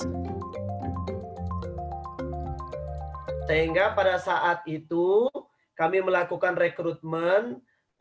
ketua kpud depok nana sobarna mengakui bahwa pilkada kali ini menimbulkan sejumlah tantangan dalam merekrut tiga puluh enam satu ratus tiga puluh lima orang petugas pps